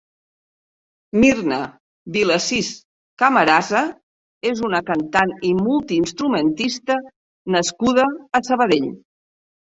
Mirna Vilasís Camarasa és una cantant i multiinstrumentista nascuda a Sabadell.